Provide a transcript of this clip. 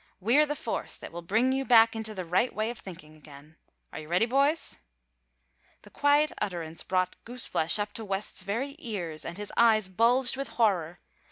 We're the force that will bring you back into the right way of thinkin' again. Are you ready, boys?" The quiet utterance brought goose flesh up to West's very ears, and his eyes bulged with horror.